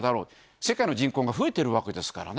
世界の人口が増えているわけですからね。